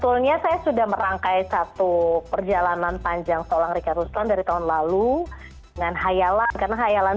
lalu dengan hayalan karena hayalan itu adalah perjalanan panjang dan perjalanan panjang dan perjalanan panjang seorang reka ruslan dari tahun lalu dengan hayalan karena hayalan karena hayalan